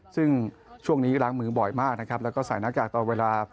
ซึ่งช่วงนี้ล้างมือบ่อยมากนะครับแล้วก็ใส่หน้ากากตอนเวลา